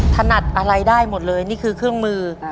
ถนัดอะไรได้หมดเลยนี่คือเครื่องมือ